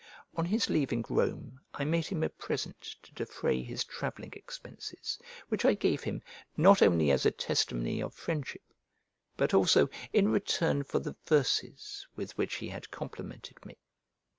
On his leaving Rome I made him a present to defray his travelling expenses, which I gave him, not only as a testimony of friendship, but also in return for the verses with which he had complimented me.